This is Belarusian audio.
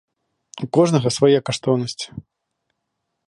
У кожнага свае каштоўнасці.